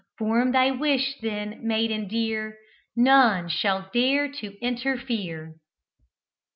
Form thy wish, then, maiden dear, None shall dare to interfere!"